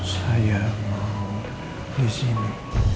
saya mau di sini